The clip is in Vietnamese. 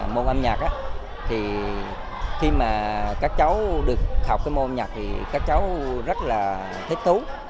môn âm nhạc thì khi mà các cháu được học cái môn nhạc thì các cháu rất là thích thú